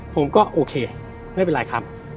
ผมก็โอเคไม่เป็นไรครับ